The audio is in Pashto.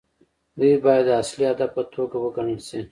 دوی باید د اصلي هدف په توګه وګڼل شي.